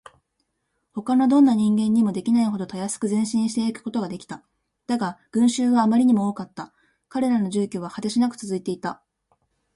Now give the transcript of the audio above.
ほかのどんな人間にもできないほどたやすく前進していくことができた。だが、群集はあまりにも多かった。彼らの住居は果てしなくつづいていた。